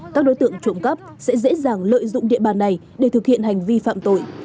các đối tượng trộm cắp sẽ dễ dàng lợi dụng địa bàn này để thực hiện hành vi phạm tội